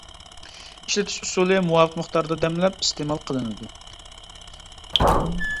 ئىشلىتىش ئۇسۇلى مۇۋاپىق مىقداردا دەملەپ ئىستېمال قىلىنىدۇ.